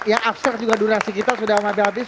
yang abstrak juga durasi kita sudah habis habis